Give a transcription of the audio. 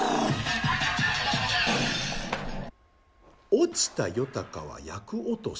「落ちた夜鷹は厄落し」